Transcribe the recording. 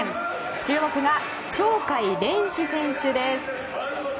注目が鳥海連志選手です。